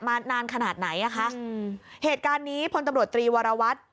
นานขนาดไหนอ่ะคะอืมเหตุการณ์นี้พลตำรวจตรีวรวัตร